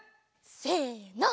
せの。